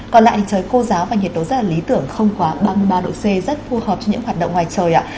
còn lại thì trời khô giáo và nhiệt độ rất là lý tưởng không quá ba mươi ba độ c rất phù hợp cho những hoạt động ngoài trời ạ